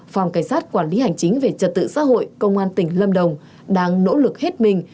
phòng cảnh sát quản lý hành chính về trật tự xã hội công an tỉnh lâm đồng đang nỗ lực hết mình